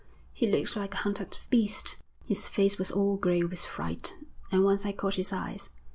He looked like a hunted beast, his face was all grey with fright, and once I caught his eyes.